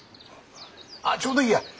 あちょうどいいや。